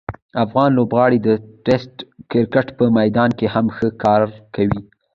افغان لوبغاړي د ټسټ کرکټ په میدان کې هم ښه کار کوي.